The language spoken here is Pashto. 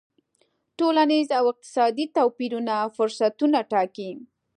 ټولنیز او اقتصادي توپیرونه فرصتونه ټاکي.